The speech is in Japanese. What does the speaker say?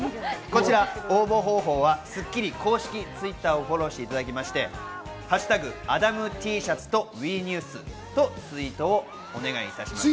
こちら応募方法は『スッキリ』公式Ｔｗｉｔｔｅｒをフォローしていただきまして、「＃アダムＴシャツとＷＥニュース」とツイートをお願いいたします。